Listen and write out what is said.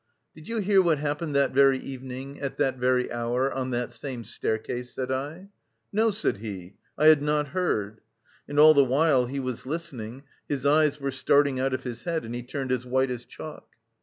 "Did you hear what happened that very evening, at that very hour, on that same staircase?" said I. "No," said he, "I had not heard," and all the while he was listening, his eyes were staring out of his head and he turned as white as chalk.